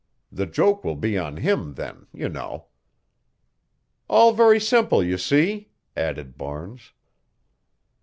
The joke will be on him, then, you know." "All very simple, you see," added Barnes.